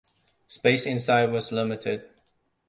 Space inside was limited.